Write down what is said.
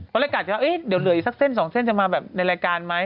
ก็เลยกัดกันว่าเดี๋ยวเหลืออีกสักเส้นสองเส้นจะมาแบบในรายการไหม